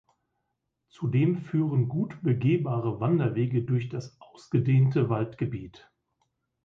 Zudem führen gut begehbare Wanderwege durch das ausgedehnte Waldgebiet.